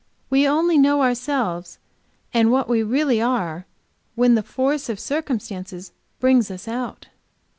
We only know ourselves and what we really are, when the force of circumstances bring us out."